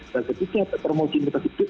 dan kemudian termocim kita dikit